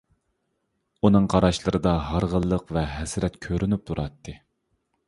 ئۇنىڭ قاراشلىرىدا ھارغىنلىق ۋە ھەسرەت كۆرۈنۈپ تۇراتتى.